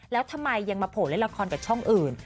แล้วทำไมยังมาโผล่เล่นละครกับช่องอื่น